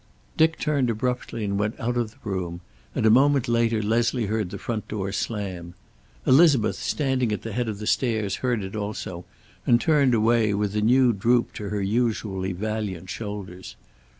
Dick turned abruptly and went out of the room, and a moment later Leslie heard the front door slam. Elizabeth, standing at the head of the stairs, heard it also, and turned away, with a new droop to her usually valiant shoulders.